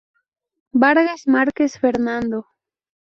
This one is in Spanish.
Vargas Márquez, Fernando.